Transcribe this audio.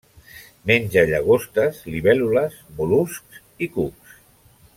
Menja llagostes, libèl·lules, mol·luscs i cucs.